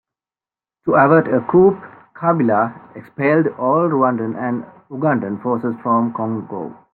To avert a coup, Kabila expelled all Rwandan and Ugandan forces from the Congo.